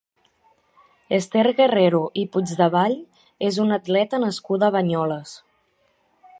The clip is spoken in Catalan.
Esther Guerrero i Puigdevall és una atleta nascuda a Banyoles.